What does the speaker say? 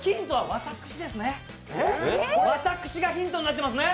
私がヒントになってますね。